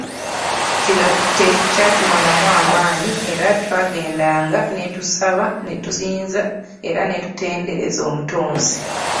Kino tekyatumalaamu maanyi era twagendanga ne tusaba ne tusinza era ne tutendereza Omutonzi.